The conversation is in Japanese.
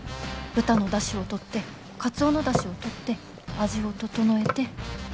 豚の出汁をとってカツオの出汁をとって味を調えて。